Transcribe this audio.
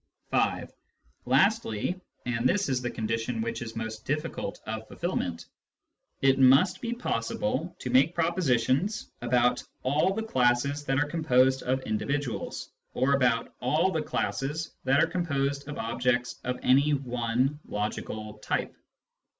(5) Lastly — and this is the condition which is most difficult of fulfilment, — it must be possible to make propositions about all the classes that are composed of individuals, or about all the classes that are composed of objects of any one logical " type."